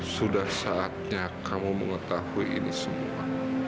sudah saatnya kamu mengetahui ini semua